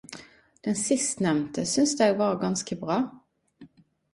Den sistnemnte synes eg var ganske bra.